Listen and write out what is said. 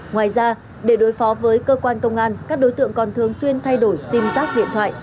ngoài ra để đối phó với cơ quan công an các đối tượng còn thường xuyên thay đổi sim giác điện thoại